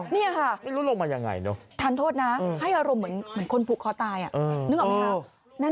นี่ค่ะทานโทษนะให้อารมณ์เหมือนคนผูกคอตายนึกออกไหมฮะนั่นแหละ